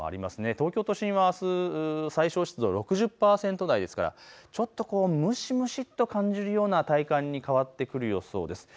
東京都心はあす最小湿度６０％台ですから蒸し蒸しと感じるような体感に変わってくる予想です。